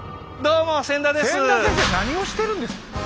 千田先生何をしてるんですか！